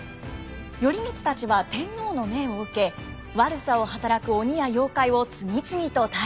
頼光たちは天皇の命を受け悪さを働く鬼や妖怪を次々と退治。